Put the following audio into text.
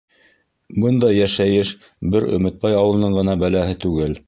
Бындай йәшәйеш бер Өмөтбай ауылының ғына бәләһе түгел.